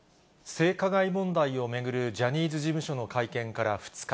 性加害問題を巡る、ジャニーズ事務所の会見から２日。